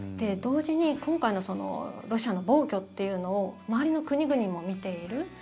同時に今回のロシアの暴挙っていうのを周りの国々も見ている。